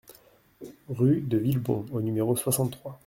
Rue de Villebon au numéro soixante-trois